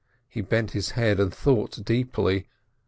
He bent his head, and thought deeply.